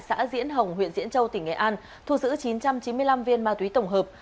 xã diễn hồng huyện diễn châu tỉnh nghệ an thu giữ chín trăm chín mươi năm viên ma túy tổng hợp